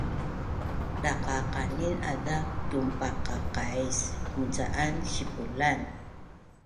Daqdaqanin azak tunpaqaqais munca’an sipulan